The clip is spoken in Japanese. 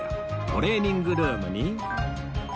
トレーニングルームに